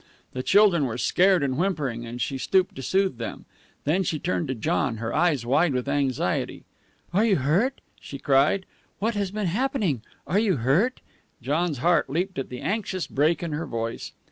The children were scared and whimpering, and she stooped to soothe them. Then she turned to John, her eyes wide with anxiety. "Are you hurt?" she cried. "What has been happening? Are you hurt?" John's heart leaped at the anxious break in her voice.